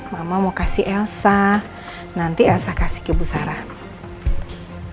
mama mau kasih elsa nanti elsa kasih ke bu sarah